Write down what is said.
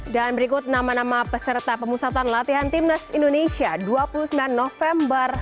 dan berikut nama nama peserta pemusatan latihan timnas indonesia dua puluh sembilan november